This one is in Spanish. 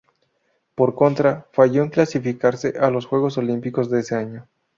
Por contra, falló en clasificarse a los Juegos Olímpicos de ese año.